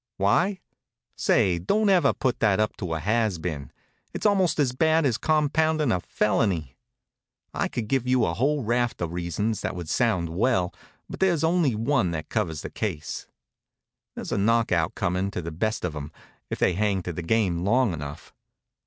Why? Say, don't ever put that up to a has been. It's almost as bad as compoundin' a felony. I could give you a whole raft of reasons that would sound well, but there's only one that covers the case. There's a knockout comin' to the best of 'em, if they hang to the game long enough.